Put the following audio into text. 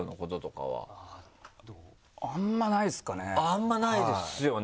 あんまないですよね。